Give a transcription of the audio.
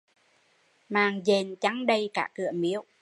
Mạng dện chăng đầy cả cửa miếu